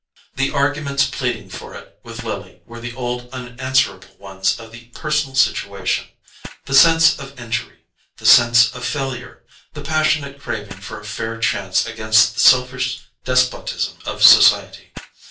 The arguments pleading for it with Lily were the old unanswerable ones of the personal situation: the sense of injury, the sense of failure, the passionate craving for a fair chance against the selfish despotism of society.